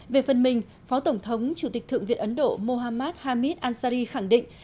về phần mình phó tổng thống chủ tịch thượng viện ấn độ mohammad hamid ansari khẳng định